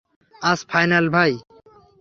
আজ ফাইনাল, ভাই।